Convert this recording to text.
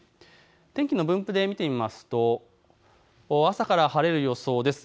天気の分布で見てみますと朝から晴れる予想です。